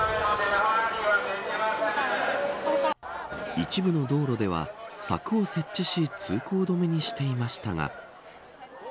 一部の道路では柵を設置し通行止めにしていましたが。